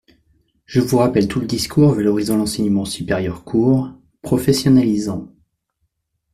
Je vous rappelle tout le discours valorisant l’enseignement supérieur court, professionnalisant.